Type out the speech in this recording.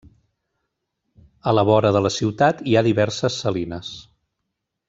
A la vora de la ciutat hi ha diverses salines.